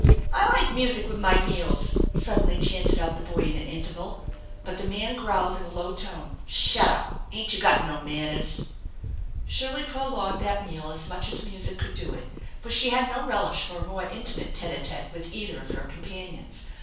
" I like music with my meals !" suddenly chanted out the boy in an interval. But the man growled in a low tone: " Shut up ! Ain't you got no manners ?" Shirley prolonged that meal as much as music could do it, for she had no relish for a more intimate tete a tete with cither of her companions.